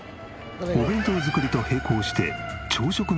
お弁当作りと並行して朝食の準備も。